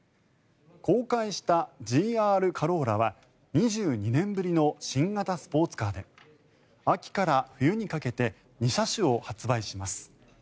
公開したＧＲカローラや２２年ぶりの新型スポーツカーで秋から冬にかけて２車種を発売します。